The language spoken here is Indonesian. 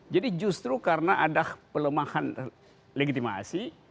jadi justru karena ada pelemahan legitimasi